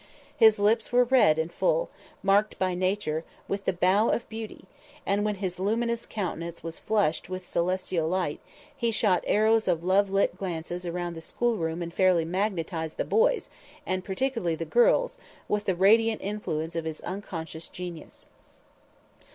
His lips were red and full, marked by Nature, with the "bow of beauty," and when his luminous countenance was flushed with celestial light, he shot the arrows of love lit glances around the schoolroom and fairly magnetized the boys, and particularly the girls, with the radiant influence of his unconscious genius.